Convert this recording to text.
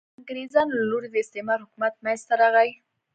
د انګرېزانو له لوري د استعمار حکومت منځته راغی.